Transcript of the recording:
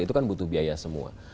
itu kan butuh biaya semua